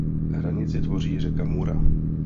Hranici tvoří řeka Mura.